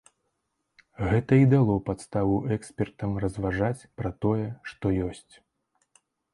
Гэта і дало падставу экспертам разважаць пра тое, што ёсць.